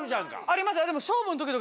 ありますよ。